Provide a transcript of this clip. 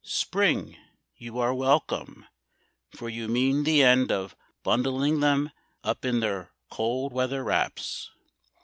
Spring, you are welcome, for you mean the end of Bundling them up in their cold weather wraps.